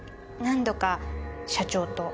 何度か社長と。